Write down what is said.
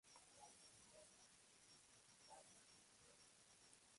A menudo pedía prestado dinero, bebía y se iba a prostitutas.